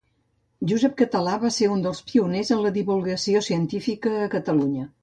Josep Català va ser un dels pioners en la divulgació científica a Catalunya.